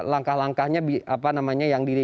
langkah langkahnya yang di